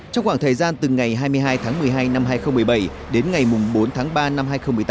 trong khoảng thời gian từ ngày hai mươi hai tháng một mươi hai năm hai nghìn một mươi bảy đến ngày bốn tháng ba năm hai nghìn một mươi tám